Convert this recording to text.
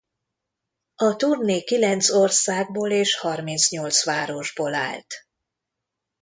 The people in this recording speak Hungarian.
A turné kilenc országból és harmincnyolc városból állt.